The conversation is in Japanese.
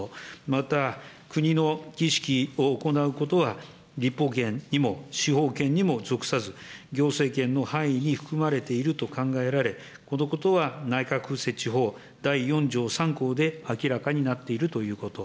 また、国の儀式を行うことは、立法権にも司法権にも属さず、行政権の範囲に含まれていると考えられ、このことは内閣設置法第４条３項で明らかになっているということ。